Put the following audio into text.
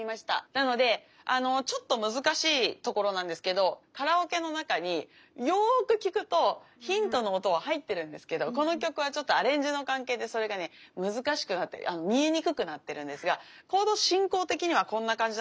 なのであのちょっと難しいところなんですけどカラオケの中によく聴くとヒントの音が入ってるんですけどこの曲はちょっとアレンジの関係でそれがね難しくなったり見えにくくなってるんですがコード進行的にはこんな感じなんです。